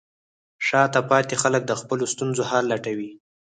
شاته پاتې خلک د خپلو ستونزو حل لټوي.